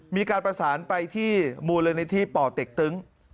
มีการประสานไปที่มูลนิธิป่อเต็กตึ้ง